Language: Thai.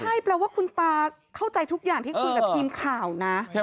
ใช่แปลว่าคุณตาเข้าใจทุกอย่างที่คุยกับทีมข่าวนะ